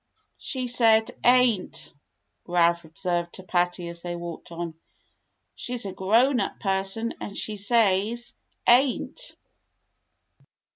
She said 'ain't,'" Ralph observed to Patty as they walked on. "She's a grown up person and she says * ain't.'"